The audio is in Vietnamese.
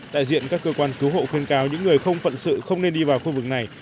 đại diện các cơ quan cứu hộ khuyên cáo những người không phận sự không nên đi vào khu vực này